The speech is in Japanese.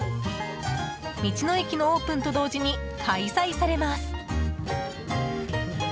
道の駅のオープンと同時に開催されます。